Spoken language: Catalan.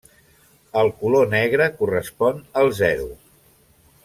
El color negre correspon al zero.